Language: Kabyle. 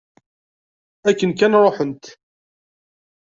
Akken kan ruḥent.